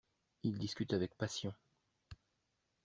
Ils discutent avec passion.